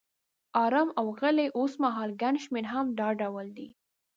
آرام او غلی، اوسمهال ګڼ شمېر هم دا ډول دي.